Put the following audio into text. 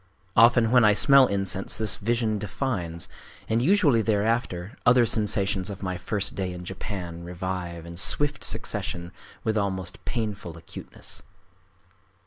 Often when I smell incense, this vision defines; and usually thereafter other sensations of my first day in Japan revive in swift succession with almost painful acuteness.